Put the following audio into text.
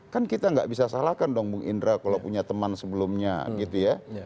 kan kita nggak bisa salahkan dong bung indra kalau punya teman sebelumnya gitu ya